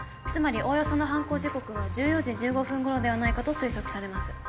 つまりおおよその犯行時刻は１４時１５分ごろではないかと推測されます。